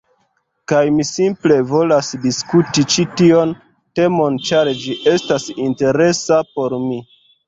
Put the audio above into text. Kaj mi simple volas diskuti ĉi tion temon ĉar ĝi estas interesa por mi.